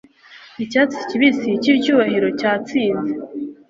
Icyatsi kibisi cyicyubahiro cyatsinze